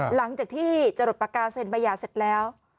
หลังจากที่จะหลบปากกาเซ็นบัยยะเสร็จแล้ว